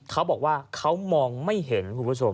เขาบอกว่าเขามองไม่เห็น